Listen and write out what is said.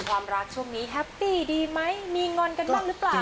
ความรักช่วงนี้แฮปปี้ดีไหมมีงอนกันบ้างหรือเปล่า